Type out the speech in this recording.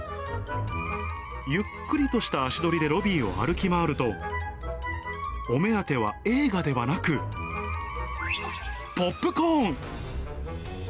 ゆっくりとした足取りでロビーを歩き回ると、お目当ては映画ではなく、ポップコーン。